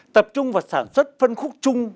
tập trung vào sản xuất phân khúc trung